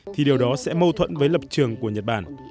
thì điều đó sẽ mâu thuẫn với lập trường của nhật bản